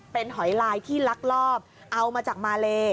เป็นหอยลายที่ลักลอบเอามาจากมาเล